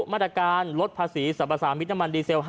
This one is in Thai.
มาตรการลดภาษีสรรพสามิตรน้ำมันดีเซล๕